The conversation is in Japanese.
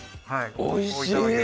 おいしい！